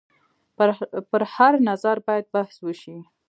پر هر نظر باید بحث وشي.